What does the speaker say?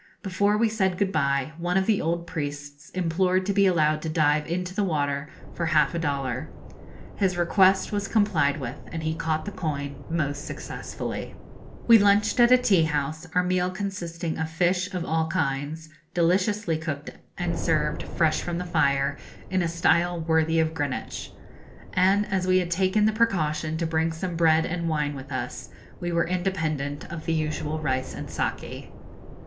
Before we said good bye, one of the old priests implored to be allowed to dive into the water for half a dollar. His request was complied with, and he caught the coin most successfully. [Illustration: A Boatman] We lunched at a tea house, our meal consisting of fish of all kinds, deliciously cooked, and served, fresh from the fire, in a style worthy of Greenwich; and as we had taken the precaution to bring some bread and wine with us, we were independent of the usual rice and saki. [Illustration: Our Luncheon Bill.